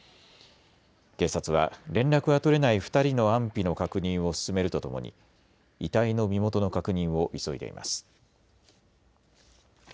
警察は連絡が取れない２人の安否の確認を進めるとともに遺体の身元の確認を急いでいます。